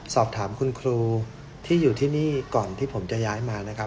สอบถามคุณครูที่อยู่ที่นี่ก่อนที่ผมจะย้ายมานะครับ